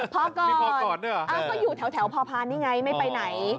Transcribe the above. พอก่อนก็อยู่แถวพอพานนี่ไงไม่ไปไหน